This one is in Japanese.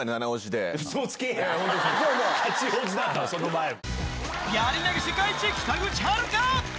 八王子だったわその前も。